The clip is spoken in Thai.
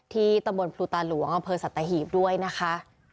ที่ตำบลพลูตาหลวงอำเภอสัตว์ตะหีบด้วยนะคะ